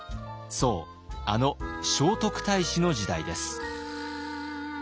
そうあの聖徳太子の時代です。